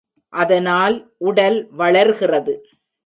அதனால் உடல் வளர்கிறது.